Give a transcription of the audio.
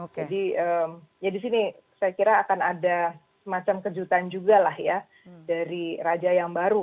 jadi disini saya kira akan ada semacam kejutan juga lah ya dari raja yang baru